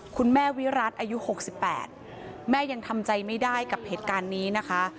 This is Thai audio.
คุณแม่วิรัติอายุ๖๘แม่ยังทำใจไม่ได้กับเหตุการณ์นี้นะคะ